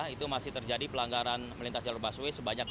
itu masih terjadi pelanggaran melintas jalur busway sebanyak lima puluh lima ya